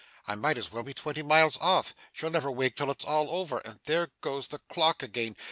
I might as well be twenty miles off. She'll never wake till it's all over, and there goes the clock again!